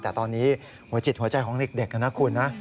แต่ตอนนี้หัวจิตหัวใจของเด็กนะคุณนะ